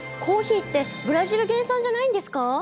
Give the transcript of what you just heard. コーヒーってブラジル原産じゃないんですか？